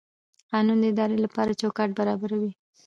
قانون د ادارې لپاره چوکاټ برابروي.